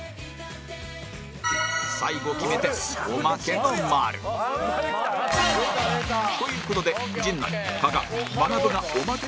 最後決めておまけの○という事で陣内加賀まなぶがおまけの○